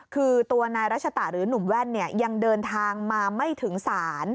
คือตัวนายรัชตะหรือหนุ่มแว่นเนี่ยยังเดินทางมาไม่ถึงศาล